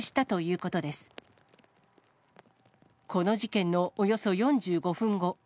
この事件のおよそ４５分後。